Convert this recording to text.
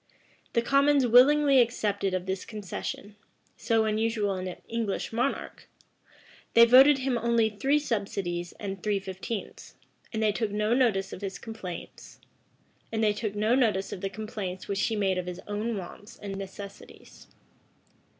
[] The commons willingly accepted of this concession, so unusual in an English monarch: they voted him only three subsidies and three fifteenths:[] and they took no notice of the complaints which he made of his own wants and necessities.